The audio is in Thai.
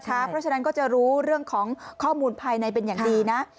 เพราะฉะนั้นก็จะรู้เรื่องของข้อมูลภายในเป็นอย่างดีนะ